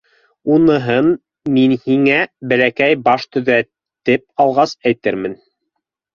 Уныһын мин һиңә бәләкәй баш төҙәтеп алғас әйтермен.